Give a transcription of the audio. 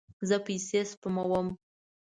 زه پیسې سپموم